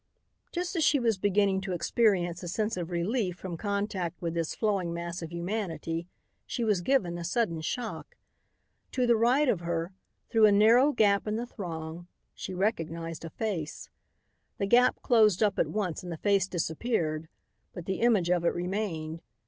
Just as she was beginning to experience a sense of relief from contact with this flowing mass of humanity she was given a sudden shock. To the right of her, through a narrow gap in the throng, she recognized a face. The gap closed up at once and the face disappeared, but the image of it remained.